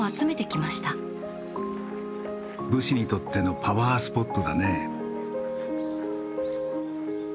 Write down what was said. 武士にとってのパワースポットだね。